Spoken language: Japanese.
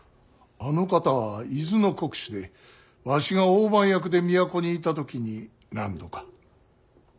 あの方は伊豆の国主でわしが大番役で都にいた時に何度か。